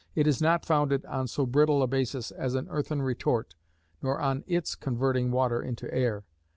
It is not founded on so brittle a basis as an earthen retort, nor on its converting water into air.